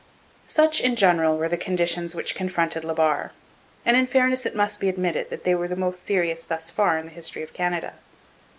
Such, in general, were the conditions which confronted La Barre, and in fairness it must be admitted that they were the most serious thus far in the history of Canada.